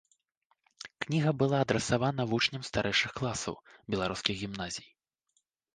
Кніга была адрасавана вучням старэйшых класаў беларускіх гімназій.